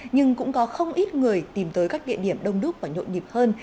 nhưng cũng có không ít người tìm tới các địa điểm đông đúc và nhộn nhịp hơn